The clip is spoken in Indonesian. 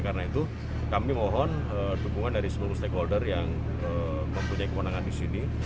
karena itu kami mohon dukungan dari seluruh stakeholder yang mempunyai kewenangan di sini